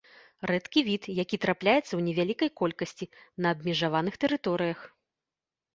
Рэдкі від, які трапляецца ў невялікай колькасці на абмежаваных тэрыторыях.